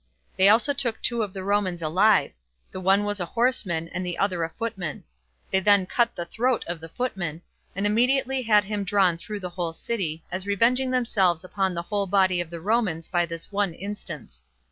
They also took two of the Romans alive; the one was a horseman, and the other a footman. They then cut the throat of the footman, and immediately had him drawn through the whole city, as revenging themselves upon the whole body of the Romans by this one instance.